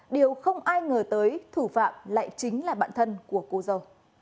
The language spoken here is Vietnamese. điều không ai ngờ tới thủ phạm lại chính là bạn thân của cô dâu